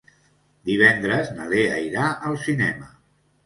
Divendres na Lea irà al cinema.